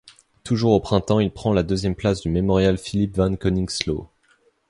Toujours au printemps, il prend la deuxième place du Mémorial Philippe Van Coningsloo.